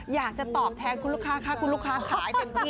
อยากจะตอบแทนคุณลูกค้าค่ะคุณลูกค้าขายเต็มที่